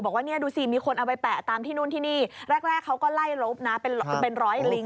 บอกว่าเนี่ยดูสิมีคนเอาไปแปะตามที่นู่นที่นี่แรกเขาก็ไล่ลบนะเป็นร้อยลิง